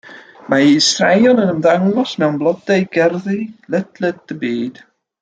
Mae ei straeon yn ymddangos mewn blodeugerddi ledled y byd.